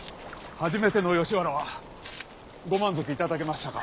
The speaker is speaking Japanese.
初めての吉原はご満足いただけましたか？